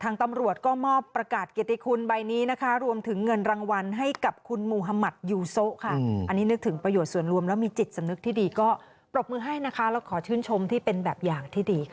นักศึกนักศึกเหมือนหนึ่ง